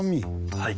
はい。